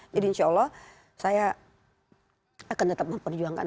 jadi insya allah saya akan tetap memperjuangkan